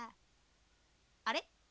あれ？